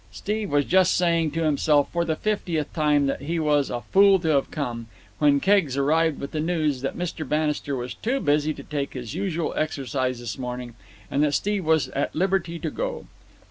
Steve was just saying to himself for the fiftieth time that he was a fool to have come, when Keggs arrived with the news that Mr. Bannister was too busy to take his usual exercise this morning and that Steve was at liberty to go.